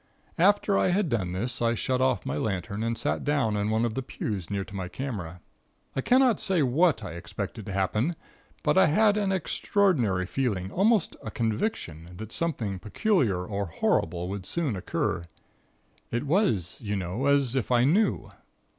"After I had done this I shut off my lantern and sat down in one of the pews near to my camera. I cannot say what I expected to happen, but I had an extraordinary feeling, almost a conviction, that something peculiar or horrible would soon occur. It was, you know, as if I knew.